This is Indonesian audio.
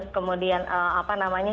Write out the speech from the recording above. kemudian apa namanya